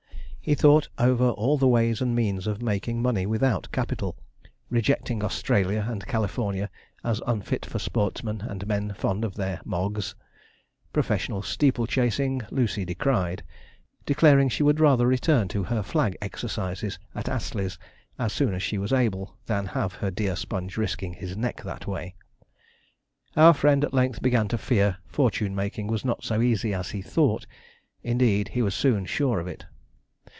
He thought over all the ways and means of making money without capital, rejecting Australia and California as unfit for sportsmen and men fond of their Moggs. Professional steeple chasing Lucy decried, declaring she would rather return to her flag exercises at Astley's, as soon as she was able, than have her dear Sponge risking his neck that way. Our friend at length began to fear fortune making was not so easy as he thought indeed, he was soon sure of it.